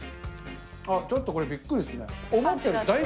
あっ、ちょっとこれ、びっくりするね。